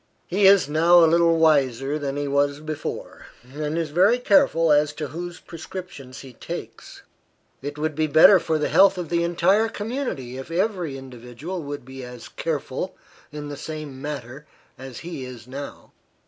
He is now a little wiser than he was before; and is very careful as to whose prescriptions he takes. It would be better for the health of the entire community if every individual would be as careful in the same matter as he is now.